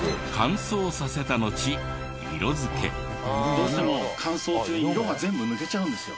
どうしても乾燥中に色が全部抜けちゃうんですよ。